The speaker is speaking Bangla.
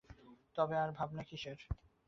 তবে আর ভাবনা কিসের।